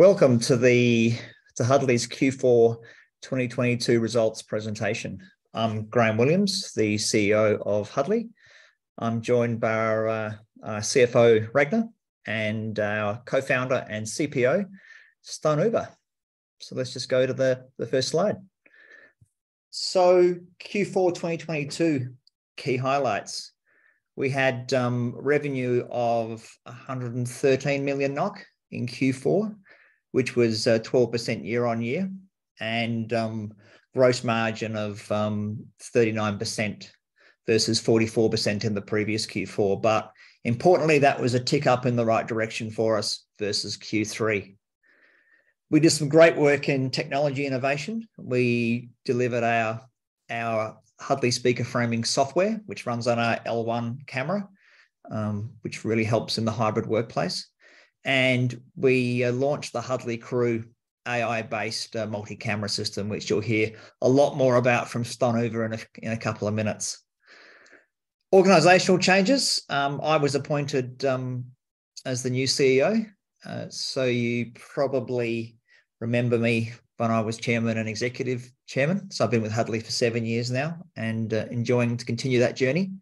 Welcome to Huddly's Q4 2022 Results Presentation. I'm Graham Williams, the CEO of Huddly. I'm joined by our CFO, Ragnar, and our Co-Founder and CPO, Stein Ove. Let's just go to the first slide. Q4 2022 key highlights. We had revenue of 113 million NOK in Q4, which was 12% year-on-year, and gross margin of 39% versus 44% in the previous Q4. Importantly, that was a tick up in the right direction for us versus Q3. We did some great work in technology innovation. We delivered our Huddly Speaker Framing software, which runs on our L1 camera, which really helps in the hybrid workplace. We launched the Huddly Crew AI-based multi-camera system, which you'll hear a lot more about from Stein Ove in a couple of minutes. Organizational changes. I was appointed as the new CEO. You probably remember me when I was chairman and executive chairman, so I've been with Huddly for seven years now, enjoying to continue that journey.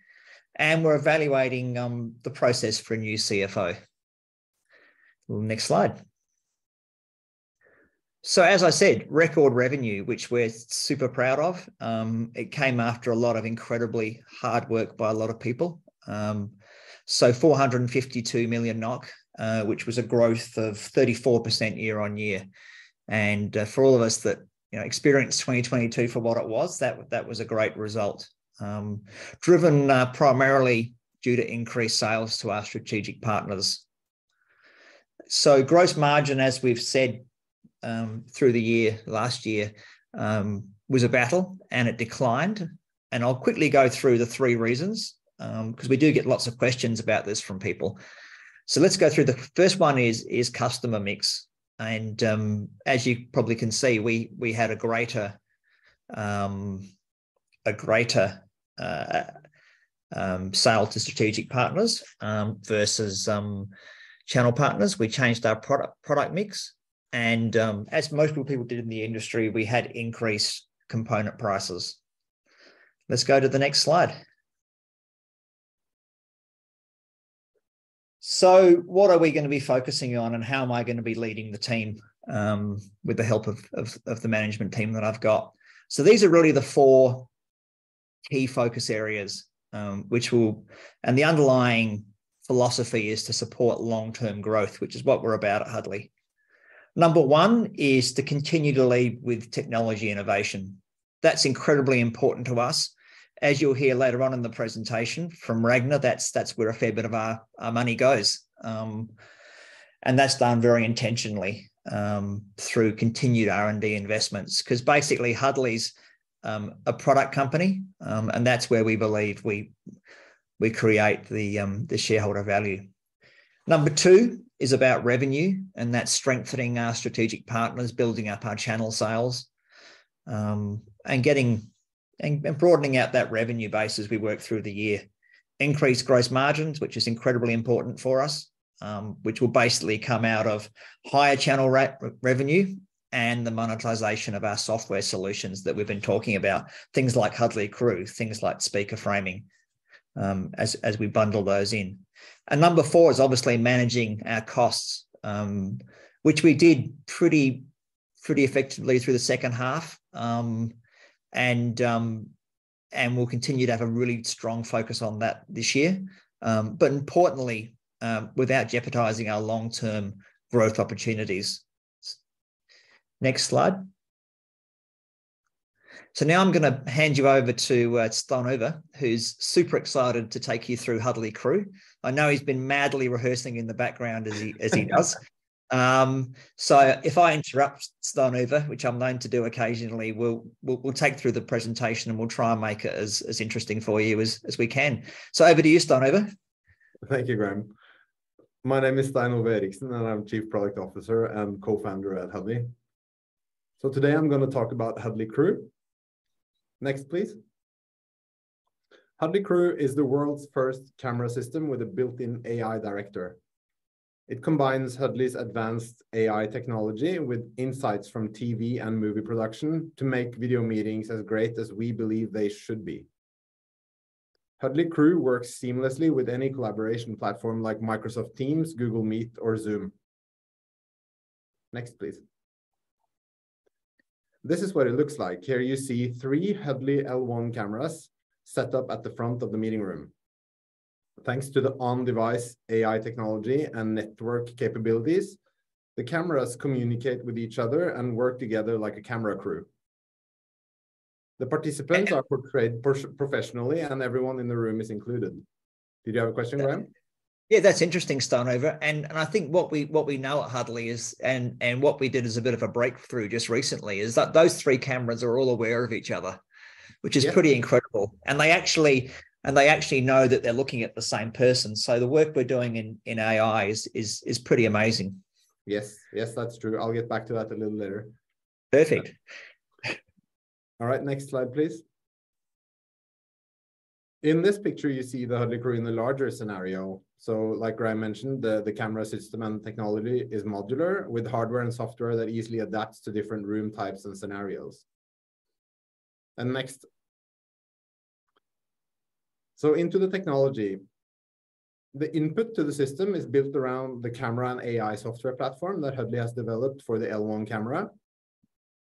We're evaluating the process for a new CFO. Next slide. As I said, record revenue, which we're super proud of. It came after a lot of incredibly hard work by a lot of people. 452 million NOK, which was a growth of 34% year-on-year. For all of us that, you know, experienced 2022 for what it was, that was a great result. Driven primarily due to increased sales to our strategic partners. Gross margin, as we've said, through the year last year, was a battle and it declined, and I'll quickly go through the three reasons 'cause we do get lots of questions about this from people. Let's go through. The first one is customer mix, and as you probably can see, we had a greater, a greater sale to strategic partners versus channel partners. We changed our product mix, and as most people did in the industry, we had increased component prices. Let's go to the next slide. What are we gonna be focusing on, and how am I gonna be leading the team with the help of the management team that I've got? These are really the four key focus areas, which will... The underlying philosophy is to support long-term growth, which is what we're about at Huddly. Number one is to continue to lead with technology innovation. That's incredibly important to us. As you'll hear later on in the presentation from Ragnar, that's where a fair bit of our money goes. And that's done very intentionally through continued R&D investments, 'cause basically, Huddly's a product company, and that's where we believe we create the shareholder value. Number two is about revenue, and that's strengthening our strategic partners, building up our channel sales, and getting, and broadening out that revenue base as we work through the year. Increased growth margins, which is incredibly important for us, which will basically come out of higher channel revenue and the monetization of our software solutions that we've been talking about, things like Huddly Crew, things like Speaker Framing, as we bundle those in. Number four is obviously managing our costs, which we did pretty effectively through the second half. We'll continue to have a really strong focus on that this year, but importantly, without jeopardizing our long-term growth opportunities. Next slide. Now I'm gonna hand you over to Stein Ove, who's super excited to take you through Huddly Crew. I know he's been madly rehearsing in the background as he does. If I interrupt, Stein Ove, which I'm known to do occasionally, we'll take through the presentation, and we'll try and make it as interesting for you as we can. Over to you, Stein Ove. Thank you, Graham. My name is Stein Ove Eriksen, and I'm Chief Product Officer and Co-Founder at Huddly. Today, I'm gonna talk about Huddly Crew. Next, please. Huddly Crew is the world's first camera system with a built-in AI director. It combines Huddly's advanced AI technology with insights from TV and movie production to make video meetings as great as we believe they should be. Huddly Crew works seamlessly with any collaboration platform like Microsoft Teams, Google Meet, or Zoom. Next, please. This is what it looks like. Here you see three Huddly L1 cameras set up at the front of the meeting room. Thanks to the on-device AI technology and network capabilities, the cameras communicate with each other and work together like a camera crew. The participants are portrayed professionally, and everyone in the room is included. Did you have a question, Graham? Yeah, that's interesting, Stein Ove, and I think what we know at Huddly is. What we did as a bit of a breakthrough just recently, is that those three cameras are all aware of each other. Yeah... which is pretty incredible, and they actually know that they're looking at the same person, so the work we're doing in AI is pretty amazing. Yes. Yes, that's true. I'll get back to that a little later. Perfect. All right, next slide, please. In this picture you see the Huddly Crew in the larger scenario. Like Graham mentioned, the camera system and technology is modular with hardware and software that easily adapts to different room types and scenarios. Next. Into the technology. The input to the system is built around the camera and AI software platform that Huddly has developed for the L1 camera.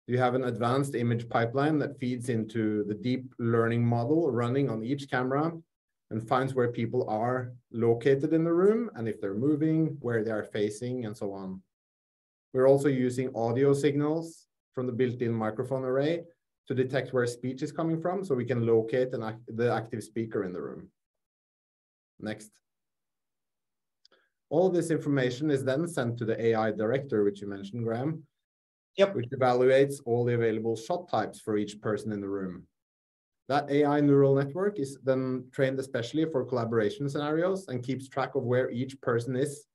You have an advanced image pipeline that feeds into the deep learning model running on each camera, and finds where people are located in the room, and if they're moving, where they are facing, and so on. We're also using audio signals from the built-in microphone array to detect where speech is coming from, so we can locate the active speaker in the room. Next. All this information is then sent to the AI director, which you mentioned, Graham. Yep. Which evaluates all the available shot types for each person in the room. That AI neural network is then trained especially for collaboration scenarios, keeps track of where each person is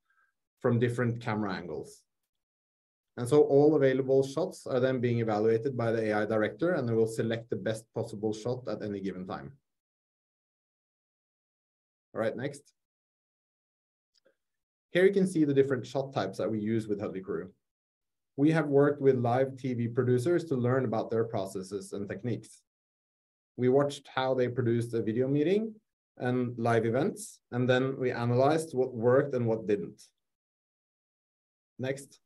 from different camera angles. All available shots are then being evaluated by the AI director, and they will select the best possible shot at any given time. All right, next. Here you can see the different shot types that we use with Huddly Crew. We have worked with live TV producers to learn about their processes and techniques. We watched how they produced a video meeting and live events, we analyzed what worked and what didn't. Next.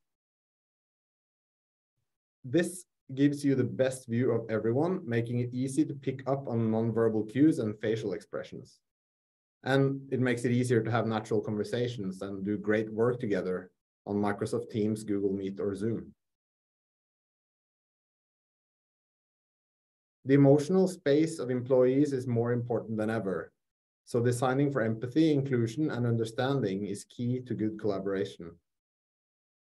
This gives you the best view of everyone, making it easy to pick up on non-verbal cues and facial expressions. It makes it easier to have natural conversations and do great work together on Microsoft Teams, Google Meet, or Zoom. The emotional space of employees is more important than ever. Designing for empathy, inclusion, and understanding is key to good collaboration.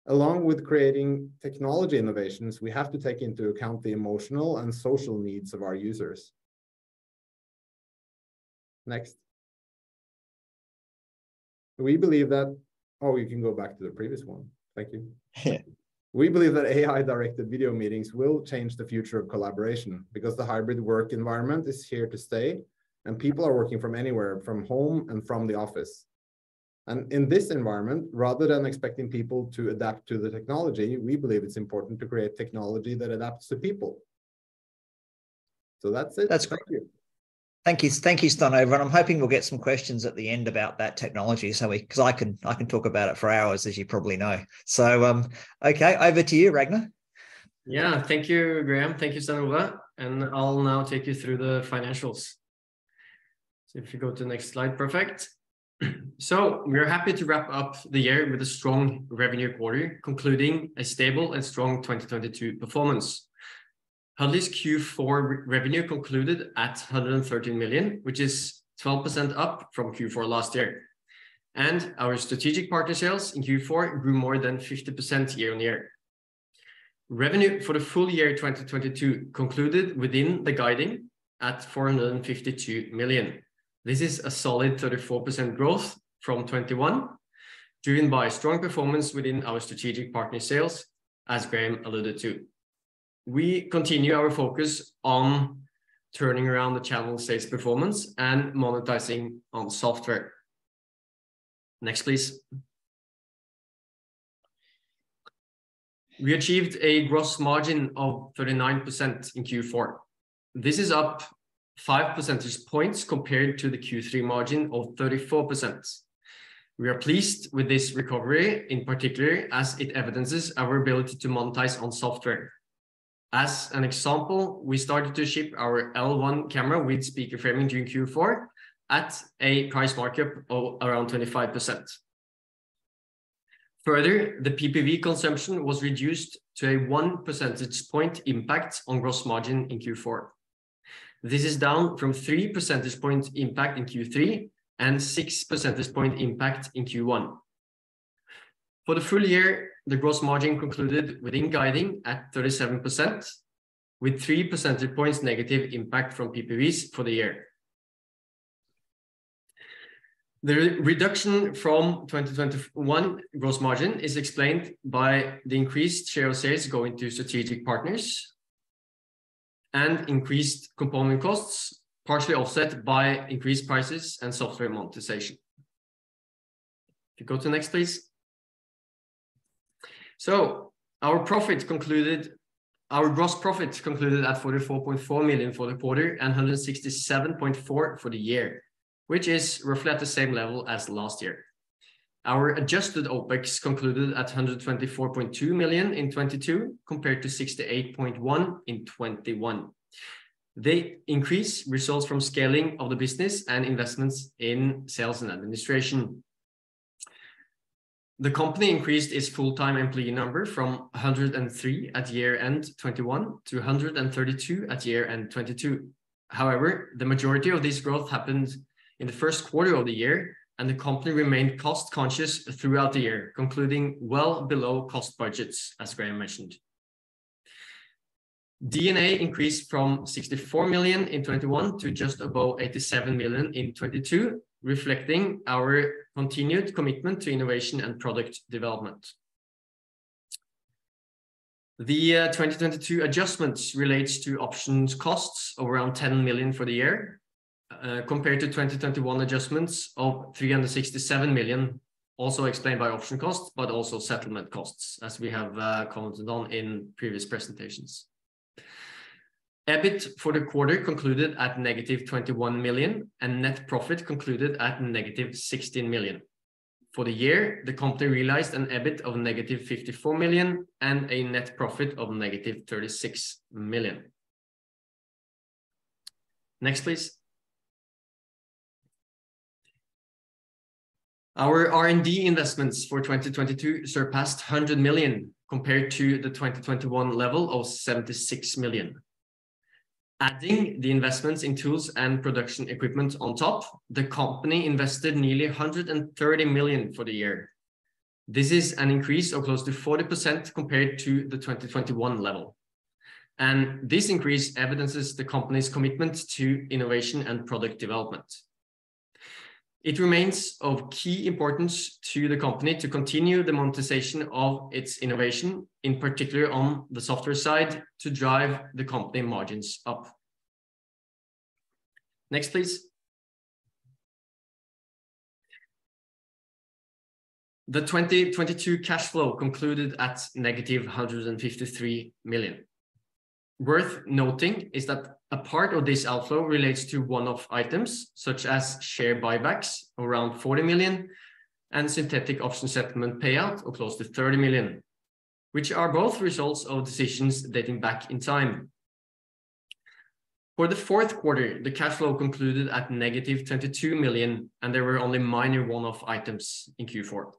Along with creating technology innovations, we have to take into account the emotional and social needs of our users. Next. You can go back to the previous one. Thank you. We believe that AI-directed video meetings will change the future of collaboration because the hybrid work environment is here to stay, and people are working from anywhere, from home and from the office. In this environment, rather than expecting people to adapt to the technology, we believe it's important to create technology that adapts to people. That's it. Thank you. That's great. Thank you. Thank you, Stein Ove. I'm hoping we'll get some questions at the end about that technology. 'Cause I can talk about it for hours, as you probably know. Okay, over to you, Ragnar. Yeah. Thank you, Graham. Thank you, Stein Ove. I'll now take you through the financials. If you go to the next slide. Perfect. We are happy to wrap up the year with a strong revenue quarter, concluding a stable and strong 2022 performance. Huddly's Q4 revenue concluded at 113 million, which is 12% up from Q4 last year. Our strategic partner sales in Q4 grew more than 50% year-on-year. Revenue for the full year 2022 concluded within the guiding at 452 million. This is a solid 34% growth from 2021, driven by strong performance within our strategic partner sales, as Graham alluded to. We continue our focus on turning around the channel sales performance and monetizing on software. Next, please. We achieved a gross margin of 39% in Q4. This is up five percentage points compared to the Q3 margin of 34%. We are pleased with this recovery, in particular as it evidences our ability to monetize on software. As an example, we started to ship our L1 camera with Speaker Framing during Q4 at a price markup of around 25%. The PPV consumption was reduced to a one percentage point impact on gross margin in Q4. This is down from three percentage points impact in Q3, and six percentage point impact in Q1. For the full year, the gross margin concluded within guiding at 37%, with three percentage points negative impact from PPVs for the year. The reduction from 2021 gross margin is explained by the increased share of sales going to strategic partners and increased component costs, partially offset by increased prices and software monetization. If you go to the next, please. Our profit concluded... Our gross profit concluded at 44.4 million for the quarter, and 167.4 million for the year, which is roughly at the same level as last year. Our adjusted OPEX concluded at 124.2 million in 2022, compared to 68.1 million in 2021. The increase results from scaling of the business and investments in sales and administration. The company increased its full-time employee number from 103 at year-end 2021 to 132 at year-end 2022. However, the majority of this growth happened in the first quarter of the year, and the company remained cost-conscious throughout the year, concluding well below cost budgets, as Graeme mentioned. D&A increased from 64 million in 2021 to just above 87 million in 2022, reflecting our continued commitment to innovation and product development. The 2022 adjustments relates to options costs around 10 million for the year, compared to 2021 adjustments of 367 million, also explained by option cost, but also settlement costs, as we have commented on in previous presentations. EBIT for the quarter concluded at -21 million, and net profit concluded at -16 million. For the year, the company realized an EBIT of -54 million and a net profit of -36 million. Next, please. Our R&D investments for 2022 surpassed 100 million, compared to the 2021 level of 76 million. Adding the investments in tools and production equipment on top, the company invested nearly 130 million for the year. This is an increase of close to 40% compared to the 2021 level, and this increase evidences the company's commitment to innovation and product development. It remains of key importance to the company to continue the monetization of its innovation, in particular on the software side, to drive the company margins up. Next, please. The 2022 cash flow concluded at n -153 million. Worth noting is that a part of this outflow relates to one-off items such as share buybacks, around 40 million, and synthetic option settlement payout of close to 30 million, which are both results of decisions dating back in time. For the fourth quarter, the cash flow concluded at -22 million. There were only minor one-off items in Q4.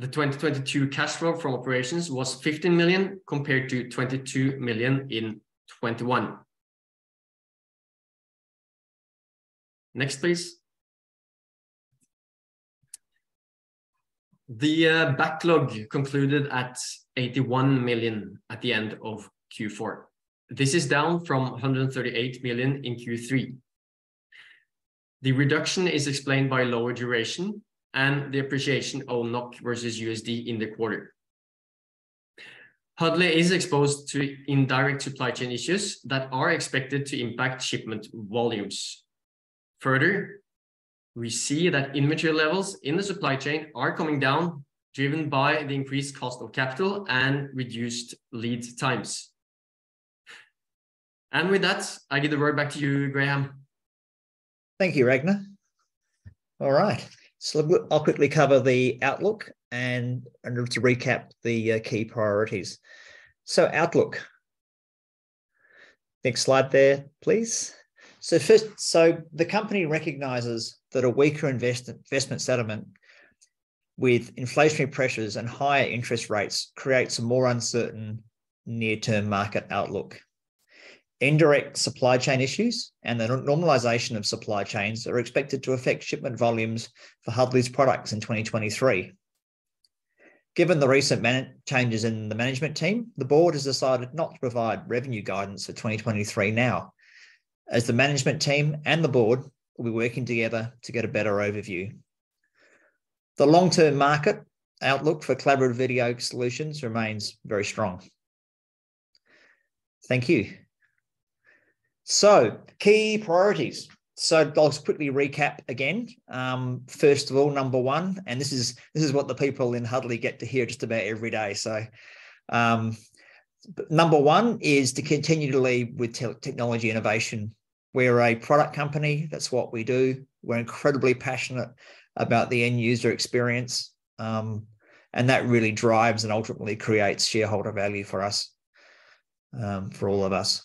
The 2022 cash flow from operations was 15 million, compared to 22 million in 2021. Next, please. The backlog concluded at 81 million at the end of Q4. This is down from 138 million in Q3. The reduction is explained by lower duration and the appreciation of NOK versus USD in the quarter. Huddly is exposed to indirect supply chain issues that are expected to impact shipment volumes. Further, we see that inventory levels in the supply chain are coming down, driven by the increased cost of capital and reduced lead times. With that, I give the word back to you, Graeme. Thank you, Ragnar. All right. I'll quickly cover the outlook and in order to recap the key priorities. Outlook. Next slide there, please. First, the company recognizes that a weaker investment sentiment with inflationary pressures and higher interest rates creates a more uncertain near-term market outlook. Indirect supply chain issues and the normalization of supply chains are expected to affect shipment volumes for Huddly's products in 2023. Given the recent changes in the management team, the board has decided not to provide revenue guidance for 2023 now, as the management team and the board will be working together to get a better overview. The long-term market outlook for collaborative video solutions remains very strong. Thank you. Key priorities. I'll just quickly recap again. First of all, number one, and this is what the people in Huddly get to hear just about every day. Number one is to continue to lead with technology innovation. We're a product company. That's what we do. We're incredibly passionate about the end user experience, and that really drives and ultimately creates shareholder value for us, for all of us.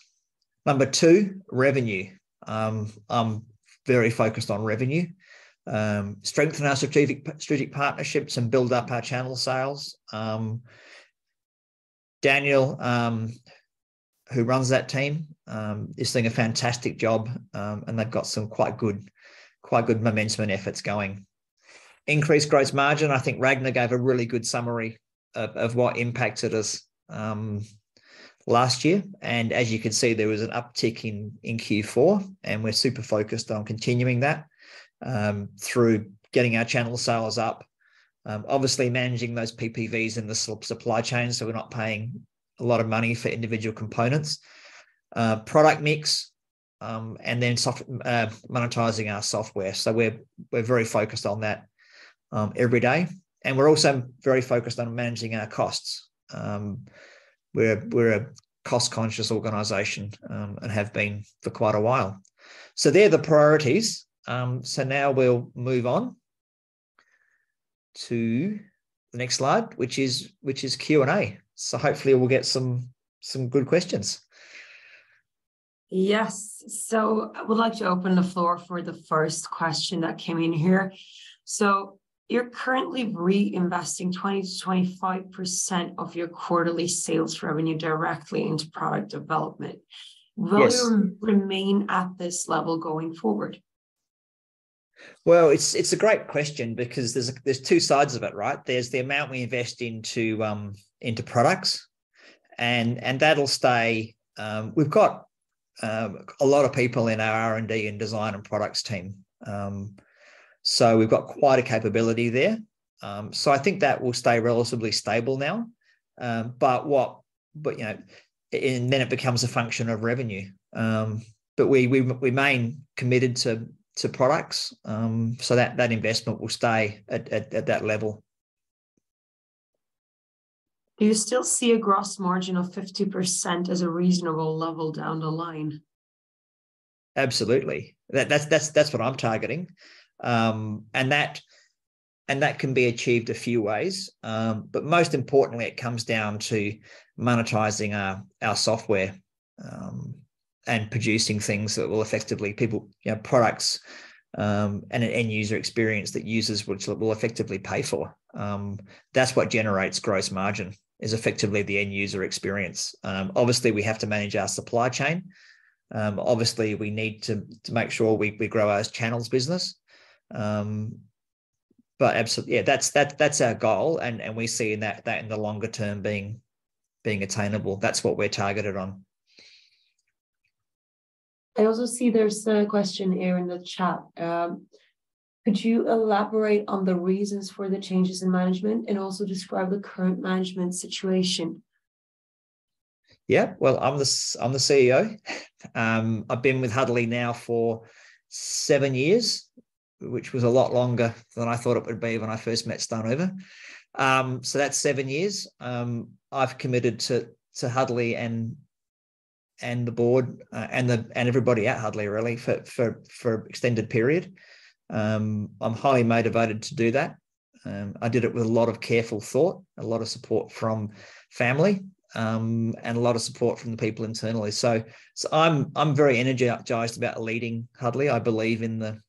Number two, revenue. I'm very focused on revenue. Strengthen our strategic partnerships and build up our channel sales. Daniel, who runs that team, is doing a fantastic job. They've got some quite good momentum and efforts going. Increased gross margin. I think Ragnar gave a really good summary of what impacted us last year. As you can see, there was an uptick in Q4, and we're super focused on continuing that through getting our channel sales up. Obviously managing those PPVs in the supply chain, so we're not paying a lot of money for individual components. Product mix, monetizing our software. We're very focused on that every day, and we're also very focused on managing our costs. We're a cost-conscious organization, and have been for quite a while. They're the priorities. Now we'll move on to the next slide, which is Q&A. Hopefully we'll get some good questions. Yes. I would like to open the floor for the first question that came in here. You're currently reinvesting 20%-25% of your quarterly sales revenue directly into product development. Yes. Will you remain at this level going forward? It's, it's a great question because there's a, there's two sides of it, right? There's the amount we invest into products, and that'll stay. We've got a lot of people in our R&D and design and products team, so we've got quite a capability there. I think that will stay relatively stable now. You know, and then it becomes a function of revenue. We remain committed to products, so that investment will stay at that level. Do you still see a gross margin of 50% as a reasonable level down the line? Absolutely. That's what I'm targeting. That, and that can be achieved a few ways, most importantly it comes down to monetizing our software, producing things that will effectively You know, products, an end user experience that users will effectively pay for. That's what generates gross margin, is effectively the end user experience. Obviously we have to manage our supply chain. Obviously we need to make sure we grow our channels business. Absolutely, yeah, that's our goal, we see that in the longer term being attainable. That's what we're targeted on. I also see there's a question here in the chat. Could you elaborate on the reasons for the changes in management and also describe the current management situation? Yeah. Well, I'm the CEO. I've been with Huddly now for seven years, which was a lot longer than I thought it would be when I first met Stein Ove. That's seven years. I've committed to Huddly and the board, and everybody at Huddly really for an extended period. I'm highly motivated to do that. I did it with a lot of careful thought, a lot of support from family, and a lot of support from the people internally. I'm very energized about leading Huddly. I believe in the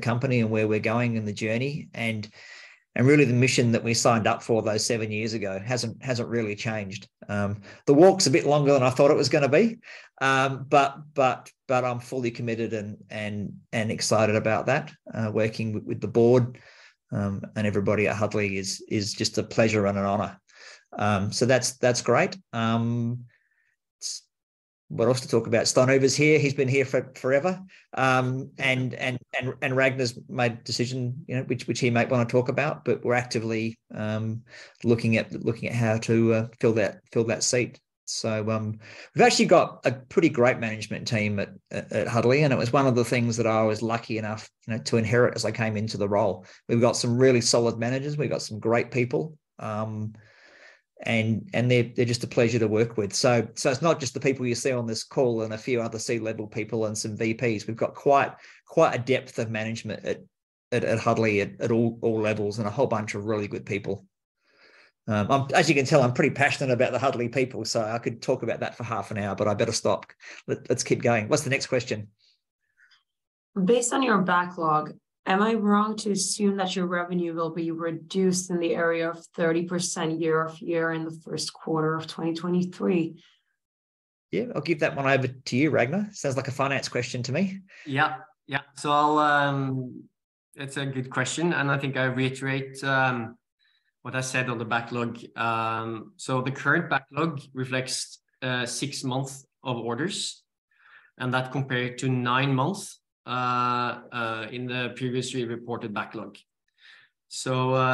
company and where we're going and the journey, and really the mission that we signed up for those seven years ago hasn't really changed. The walk's a bit longer than I thought it was gonna be, but I'm fully committed and excited about that. Working with the board and everybody at Huddly is just a pleasure and an honor. That's great. What else to talk about? Stein Ove's here. He's been here forever. And Ragnar's made a decision, you know, which he might wanna talk about, but we're actively looking at how to fill that seat. We've actually got a pretty great management team at Huddly, and it was one of the things that I was lucky enough, you know, to inherit as I came into the role. We've got some really solid managers, we've got some great people, and they're just a pleasure to work with. It's not just the people you see on this call and a few other C-level people and some VPs. We've got quite a depth of management at Huddly at all levels and a whole bunch of really good people. I'm, as you can tell, I'm pretty passionate about the Huddly people, I could talk about that for half an hour, but I better stop. Let's keep going. What's the next question? Based on your backlog, am I wrong to assume that your revenue will be reduced in the area of 30% year-over-year in the first quarter of 2023? Yeah, I'll give that one over to you, Ragnar. Sounds like a finance question to me. Yeah. Yeah. I'll That's a good question, and I think I reiterate what I said on the backlog. The current backlog reflects six month of orders, and that compared to nine month in the previously reported backlog.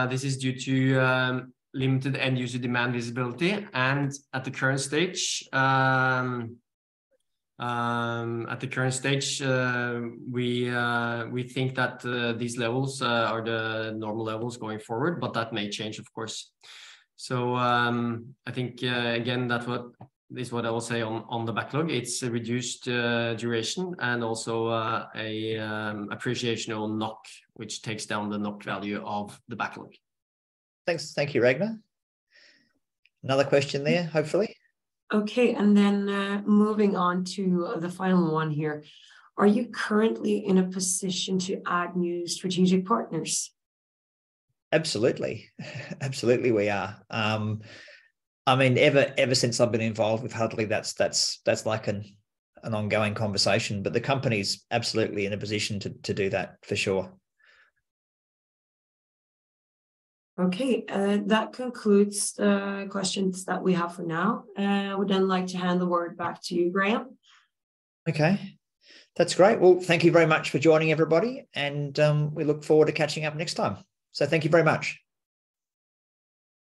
This is due to limited end user demand visibility, and at the current stage, at the current stage, we think that these levels are the normal levels going forward, but that may change of course. I think again, that what I will say on the backlog, it's a reduced, duration and also appreciation or NOK which takes down the NOK value of the backlog. Thanks. Thank you, Ragnar. Another question there, hopefully. Okay, moving on to the final one here. Are you currently in a position to add new strategic partners? Absolutely. Absolutely we are. I mean, ever since I've been involved with Huddly that's like an ongoing conversation. The company's absolutely in a position to do that, for sure. Okay. That concludes the questions that we have for now. I would like to hand the word back to you, Graham. Okay. That's great. Well, thank you very much for joining, everybody, and we look forward to catching up next time. Thank you very much.